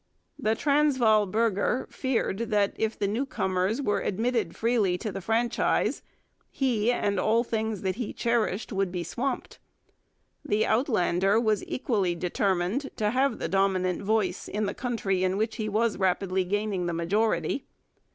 The Transvaal burgher feared that, if the newcomers were admitted freely to the franchise, he and all things that he cherished would be swamped. The Outlander was equally determined to have the dominant voice in the country in which he was rapidly gaining the majority.